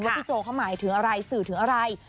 พี่โจเขาหมายถึงอะไรสื่อถึงอะไร